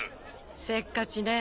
せっかちね